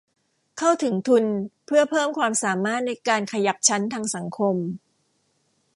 เข้าถึงทุนเพื่อเพิ่มความสามารถในการขยับชั้นทางสังคม